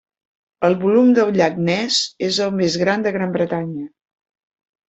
El volum del llac Ness és el més gran de Gran Bretanya.